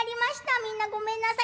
みんなごめんなさい。